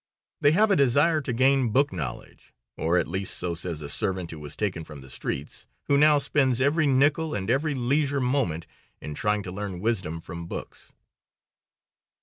They have a desire to gain book knowledge, or at least so says a servant who was taken from the streets, who now spends every nickel and every leisure moment in trying to learn wisdom from books.